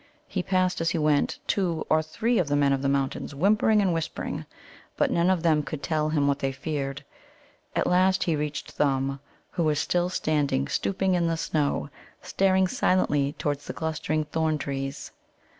He passed, as he went, two or three of the Men of the Mountains whimpering and whispering. But none of them could tell him what they feared. At last he reached Thumb, who was still standing, stooping in the snow, staring silently towards the clustering thorn trees.